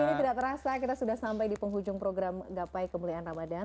ini tidak terasa kita sudah sampai di penghujung program gapai kemuliaan ramadhan